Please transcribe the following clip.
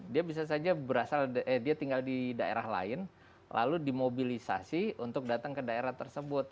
dia bisa saja berasal dia tinggal di daerah lain lalu dimobilisasi untuk datang ke daerah tersebut